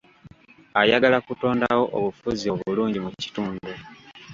Ayagala kutondawo obufuzi obulungi mu kitundu.